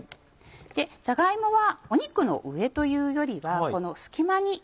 じゃが芋は肉の上というよりはこの隙間に。